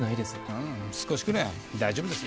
ああ少しくらい大丈夫ですよ。